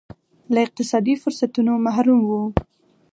له اقتصادي فرصتونو محروم وو.